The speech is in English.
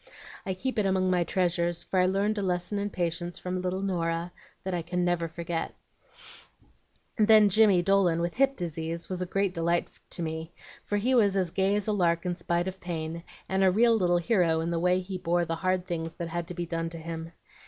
I keep it among my treasures, for I learned a lesson in patience from little Norah that I never can forget. "Then Jimmy Dolan with hip disease was a great delight to me, for he was as gay as a lark in spite of pain, and a real little hero in the way he bore the hard things that had to be done to him.